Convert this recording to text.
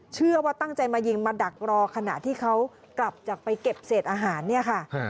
เชื่อว่าตั้งใจมายิงมาดักรอขณะที่เขากลับจากไปเก็บเศษอาหารเนี่ยค่ะ